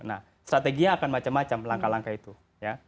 nah strateginya akan macam macam langkah langkah itu ya